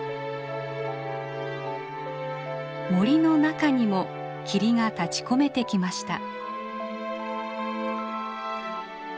森の中にも霧が立ちこめてきました。